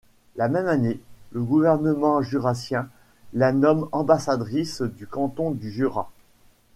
La même année, le gouvernement jurassien la nomme ambassadrice du canton du Jura.